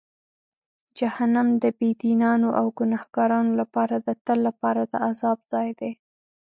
جهنم د بېدینانو او ګناهکارانو لپاره د تل لپاره د عذاب ځای دی.